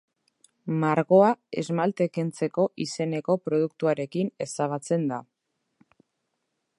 Margoa esmalte-kentzeko izeneko produktuarekin ezabatzen da.